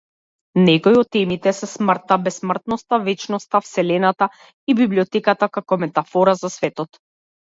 Некои од темите се смртта, бесмртноста, вечноста, вселената и библиотеката како метафора за светот.